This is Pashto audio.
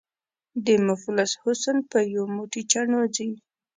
” د مفلس حُسن په یو موټی چڼو ځي”